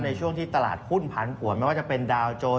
ในช่วงที่ตลาดหุ้นผันผวนไม่ว่าจะเป็นดาวโจร